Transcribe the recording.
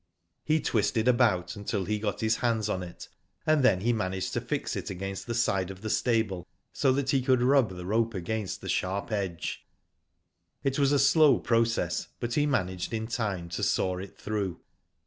He twisted about until he got his hands on it, and then he managed to fix it against the side of the stable, so that he could rub the rope against the sharp edge. It was a slow process, but he managed in time to saw it through.